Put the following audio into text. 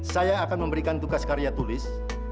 saya akan memberikan tugas karya tulis